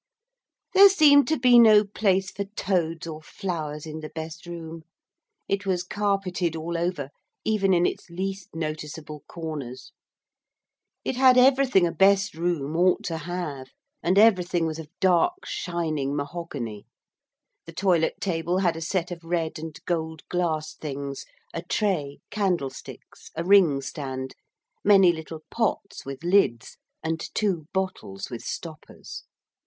There seemed to be no place for toads or flowers in the best room, it was carpeted all over even in its least noticeable corners. It had everything a best room ought to have and everything was of dark shining mahogany. The toilet table had a set of red and gold glass things a tray, candlesticks, a ring stand, many little pots with lids, and two bottles with stoppers.